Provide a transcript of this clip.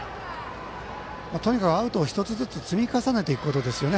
とにかくアウトを１つずつ積み重ねていくことですね